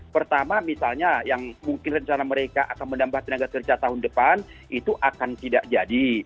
pertama misalnya yang mungkin rencana mereka akan menambah tenaga kerja tahun depan itu akan tidak jadi